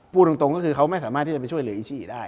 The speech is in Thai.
พูดตรงก็คือเขาไม่สามารถที่จะไปช่วยเหลืออีชี่ได้